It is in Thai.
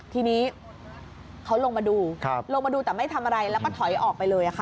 ทีนี้เขาลงมาดูลงมาดูแต่ไม่ทำอะไรแล้วก็ถอยออกไปเลยค่ะ